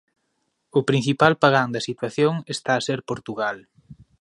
O principal pagán da situación está a ser Portugal.